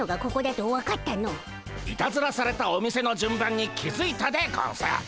いたずらされたお店の順番に気づいたでゴンス。